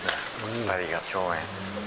２人が共演。